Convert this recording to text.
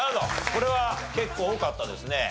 これは結構多かったですね。